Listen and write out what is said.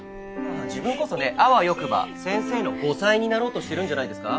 自分こそねあわよくば先生の後妻になろうとしてるんじゃないですか。